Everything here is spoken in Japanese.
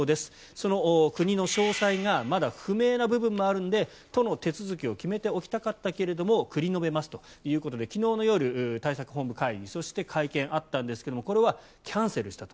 その国の詳細がまだ不明な部分もあるので都の手続きを決めておきたかったけれども繰り延べますということで昨日の夜、対策本部会議そして会見、あったんですがこれはキャンセルしたと。